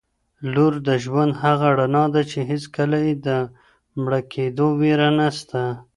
لور د ژوند هغه رڼا ده چي هیڅکله یې د مړ کيدو وېره نسته.